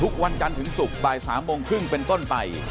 ทุกวันกันถึงศุกร์บรรยา๓โมงครึ่งเป็นต้นไป